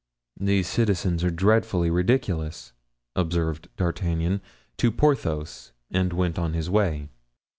"These citizens are dreadfully ridiculous," observed D'Artagnan to Porthos and went on his way.